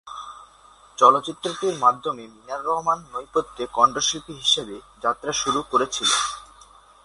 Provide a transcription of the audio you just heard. চলচ্চিত্রটির মাধ্যমে মিনার রহমান নেপথ্য কণ্ঠশিল্পী হিসেবে যাত্রা শুরু করেছিলেন।